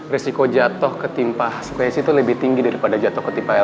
risiko jatuh ketimpa sukesi tuh lebih tinggi daripada jatuh ketimpa lcd